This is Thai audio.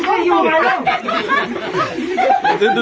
หยุดทางซิ